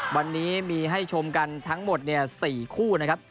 วันนี้มีให้ชมกันทั้งหมด๔คู่นะครับ